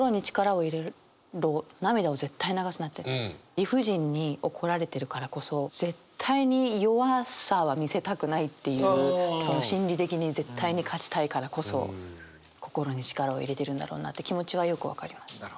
理不尽に怒られてるからこそ絶対に弱さは見せたくないっていうその心理的に絶対に勝ちたいからこそ心に力を入れてるんだろうなって気持ちはよく分かります。